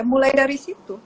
mulai dari situ